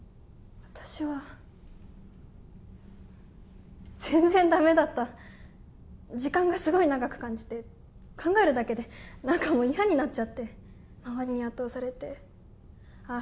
私は全然ダメだった時間がすごい長く感じて考えるだけで何かもう嫌になっちゃって周りに圧倒されてああ